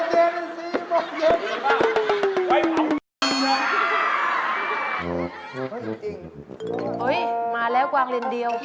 มาแล้วกวางเลนเดียว